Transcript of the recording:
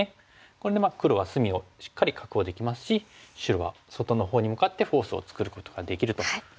これで黒は隅をしっかり確保できますし白は外のほうに向かってフォースを作ることができるということなんですよね。